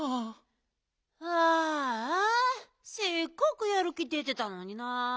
ああせっかくやる気出てたのにな。